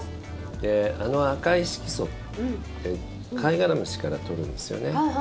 あの赤い色素ってカイガラムシから取るんですよね。